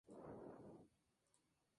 En su seno se realizan cursos de formación.